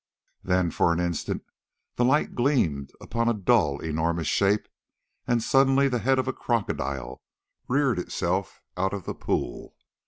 Then for an instant the light gleamed upon a dull enormous shape, and suddenly the head of a crocodile reared itself out of the pool.